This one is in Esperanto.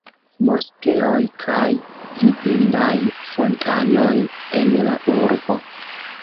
Moskeoj kaj vidindaj fontanoj en la urbo.